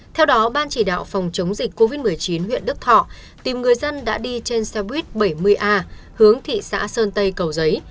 theo đó ban chỉ đạo phòng chống dịch covid một mươi chín huyện đức thọ tìm người dân đã đi trên xe buýt bảy mươi a hướng thị xã sơn tây cầu giấy